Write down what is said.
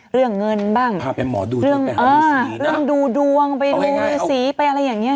เรื่องดูดวงไปหารือสีหรือสีอะไรอย่างเงี้ย